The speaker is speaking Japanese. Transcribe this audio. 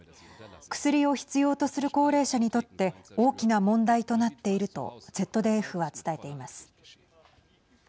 薬を必要とする高齢者にとって大きな問題となっているとＺＤＦは伝えています。